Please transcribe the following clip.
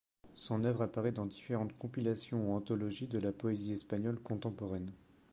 Son œuvre apparaît dans différentes compilations ou anthologies de la poésie espagnole contemporaine.